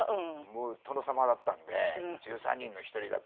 もう殿様だったので１３人の１人だったので。